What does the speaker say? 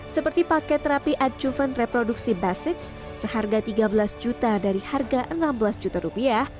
seperti paket terapi acuven reproduksi basic seharga tiga belas juta dari harga enam belas juta rupiah